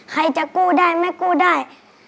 ใครจะกู้ได้ไม่กู้ได้